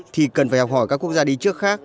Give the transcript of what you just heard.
thì cần phải học hỏi các quốc gia đi trước khác